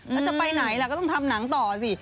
แล้วจะไปไหนล่ะก็ต้องทำหนังต่อสิ